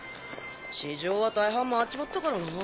地上は大半回っちまったからな。